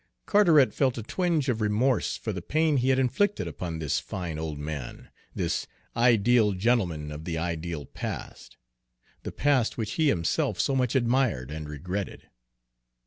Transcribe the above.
Carteret felt a twinge of remorse for the pain he had inflicted upon this fine old man, this ideal gentleman of the ideal past, the past which he himself so much admired and regretted.